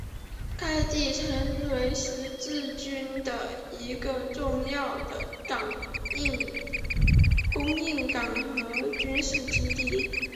该地曾为十字军的一个重要的供应港和军事基地。